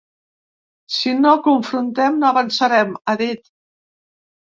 Si no confrontem, no avançarem, ha dit.